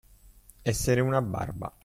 Essere una barba.